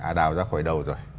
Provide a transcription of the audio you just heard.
à đào ra khỏi đầu rồi